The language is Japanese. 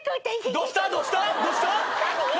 どうした！？何！？